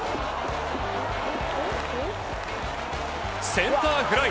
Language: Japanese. センターフライ。